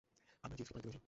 আমরা জিউসকে পরাজিত করেছি!